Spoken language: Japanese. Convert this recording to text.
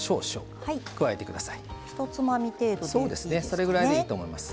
それぐらいでいいと思います。